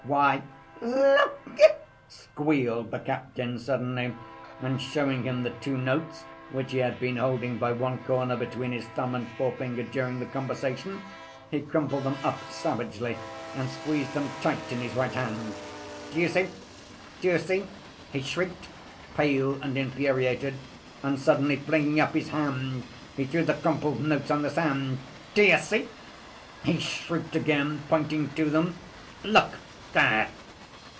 "Why, look," squealed the captain suddenly, and showing him the two notes which he had been holding by one corner between his thumb and forefinger during the conversation, he crumpled them up savagely and squeezed them tight in his right hand. "Do you see, do you see?" he shrieked, pale and infuriated. And suddenly flinging up his hand, he threw the crumpled notes on the sand. "Do you see?" he shrieked again, pointing to them. "Look there!"